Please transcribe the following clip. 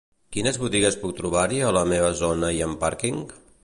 Quines botigues puc trobar-hi a la meva zona i amb pàrquing?